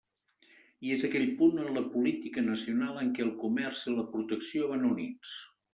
I és aquell punt en la política nacional en què el comerç i la protecció van units.